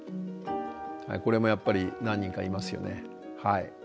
これもやっぱり何人かいますよね。